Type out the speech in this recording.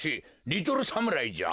リトルサムライじゃ。